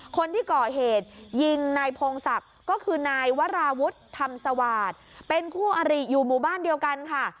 คนที่ก่อเหตุยิงนายพงศักดิ์ก็คือนายวราวุฒิธรรมสวาสตร์เป็นคู่อริอยู่หมู่บ้านเดียวกันค่ะ